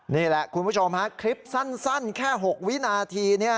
นี่แหละคุณผู้ชมฮะคลิปสั้นแค่๖วินาที